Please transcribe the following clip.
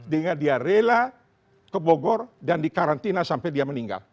sehingga dia rela ke bogor dan dikarantina sampai dia meninggal